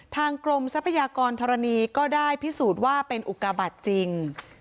ทางกรมทรัพยากรธรณีก็ได้พิสูจน์ว่าเป็นอุกาบัติจริง